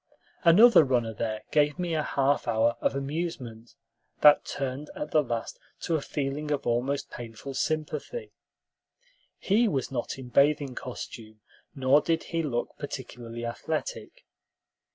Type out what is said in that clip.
Another runner there gave me a half hour of amusement that turned at the last to a feeling of almost painful sympathy. He was not in bathing costume, nor did he look particularly athletic.